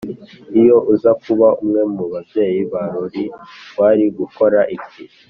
Iyo uza kuba umwe mu babyeyi ba Lori wari gukora iki